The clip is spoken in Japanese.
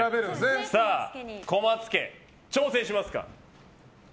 さあ、小松家、挑戦しますか？